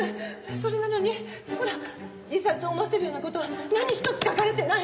それなのにほら自殺を思わせるような事は何ひとつ書かれてない！